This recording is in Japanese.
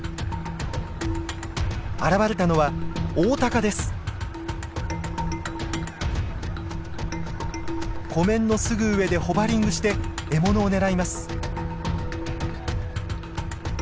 現れたのは湖面のすぐ上でホバリングして獲物を狙います。